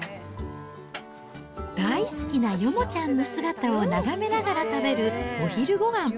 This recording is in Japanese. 大好きなヨモちゃんの姿を眺めながら食べるお昼ごはん。